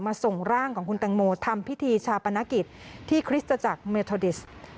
ส่งร่างของคุณตังโมทำพิธีชาปนกิจที่คริสตจักรเมทอดิส